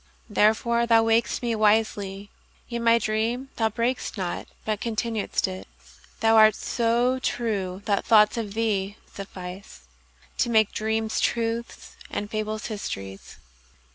Therefore thou waked'st me wisely; yetMy dream thou brak'st not, but continued'st it:Thou art so true that thoughts of thee sufficeTo make dreams truths and fables histories.